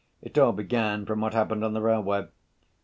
"It all began from what happened on the railway."